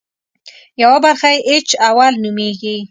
یوه برخه یې اېچ اول نومېږي.